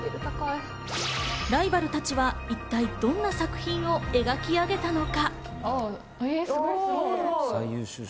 ライバルたちは一体どんな作品を描き上げたのか。